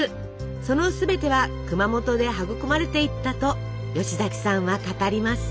その全ては熊本で育まれていったと吉崎さんは語ります。